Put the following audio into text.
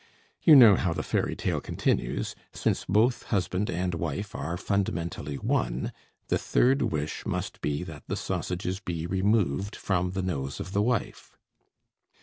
You know how the fairy tale continues. Since both husband and wife are fundamentally one, the third wish must be that the sausages be removed from the nose of the wife.